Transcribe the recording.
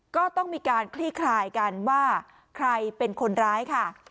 ก็ต้องมีการคลี่คลายกันว่าใครเป็นคนร้ายค่ะ